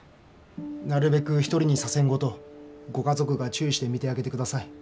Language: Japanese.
なるべく一人にさせんごとご家族が注意して見てあげてください。